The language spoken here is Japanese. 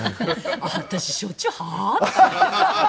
私しょっちゅうはあ？って。